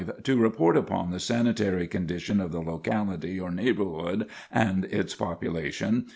To report upon the sanitary condition of the locality or neighborhood and its population.